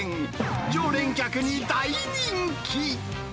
常連客に大人気。